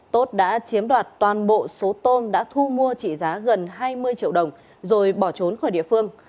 tốt đã chiếm đoạt toàn bộ số tôm đã thu mua trị giá gần hai mươi triệu đồng rồi bỏ trốn khỏi địa phương